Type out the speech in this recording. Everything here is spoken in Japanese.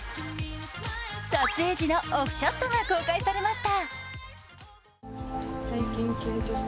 撮影時のオフショットが公開されました。